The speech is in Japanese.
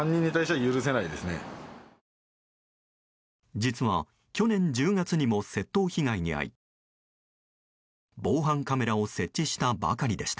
実は、去年１０月にも窃盗被害に遭い防犯カメラを設置したばかりでした。